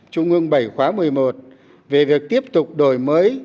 trung ương bảy khóa một mươi một về việc tiếp tục đổi mới